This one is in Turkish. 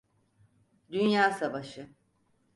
Dünya Savaşı.